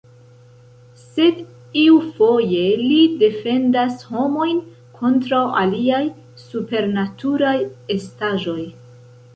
Sed iufoje li defendas homojn kontraŭ aliaj "supernaturaj" estaĵoj.